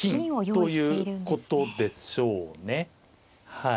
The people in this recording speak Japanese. ということでしょうね。